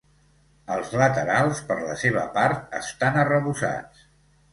Els laterals, per la seva part, estan arrebossats.